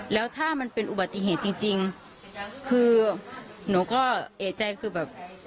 แล้วถ้ามันเป็นอุบัติเหตุจริงคือหนูก็เอกใจคือแบบ